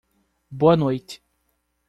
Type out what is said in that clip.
Boa noite!